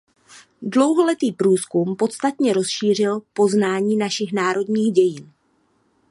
Dlouholetý průzkum podstatně rozšířil poznání našich národních dějin.